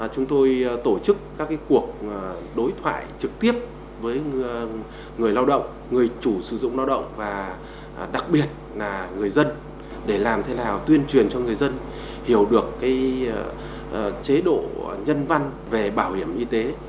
chúng tôi tổ chức các cuộc đối thoại trực tiếp với người lao động người chủ sử dụng lao động và đặc biệt là người dân để làm thế nào tuyên truyền cho người dân hiểu được chế độ nhân văn về bảo hiểm y tế